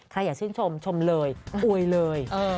อย่าชื่นชมชมเลยอวยเลย